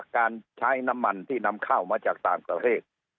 การใช้น้ำมันที่นำเข้ามาจากต่างประเทศ